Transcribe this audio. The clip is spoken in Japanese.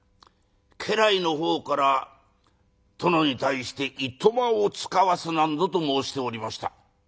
家来の方から殿に対していとまを遣わす』なんぞと申しておりました」。